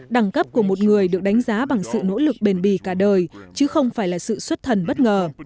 đẳng cấp của một người được đánh giá bằng sự nỗ lực bền bì cả đời chứ không phải là sự xuất thần bất ngờ